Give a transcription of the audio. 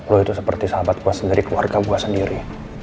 lo itu seperti sahabat gue sendiri keluarga gue sendiri